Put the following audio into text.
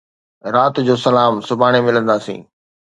رات جو سلام. سڀاڻي ملندا سين